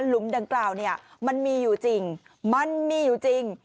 ลุมดังกล่าวเนี่ยมันมีอยู่จริงมันมีอยู่จริง